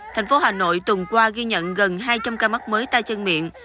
thành phố hà nội tuần qua ghi nhận gần hai trăm linh ca mắc mới tay chân miệng